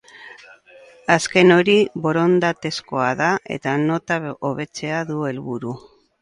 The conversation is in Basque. Azken hori, borondatezkoa da eta nota hobetzea du helburu.